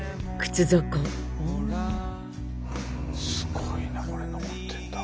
すごいなこれ残ってんだ。